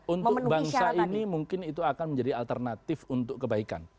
untuk bangsa ini mungkin itu akan menjadi alternatif untuk kebaikan